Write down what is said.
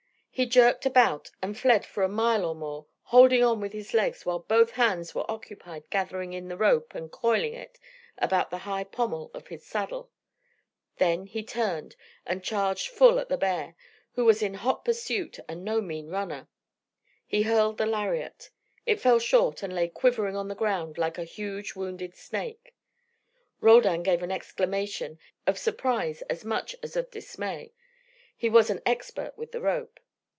He jerked about and fled for a mile or more, holding on with his legs while both hands were occupied gathering in the rope and coiling it about the high pommel of his saddle. Then he turned and charged full at the bear, who was hot in pursuit and no mean runner. He hurled the lariat. It fell short, and lay quivering on the ground like a huge wounded snake. Roldan gave an exclamation, of surprise as much as of dismay: he was an expert with the rope.